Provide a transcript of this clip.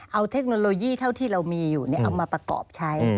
เอาเทคโนโลยีเท่าที่เรามีอยู่เอามาประกอบใช้